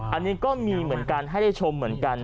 อันนี้ก็มีเหมือนกันให้ได้ชมเหมือนกัน